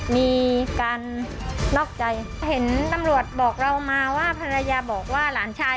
มีการนอกใจเห็นตำรวจบอกเรามาว่าภรรยาบอกว่าหลานชาย